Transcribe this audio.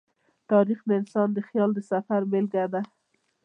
تاریخ د انسان د خیال د سفر بېلګه ده.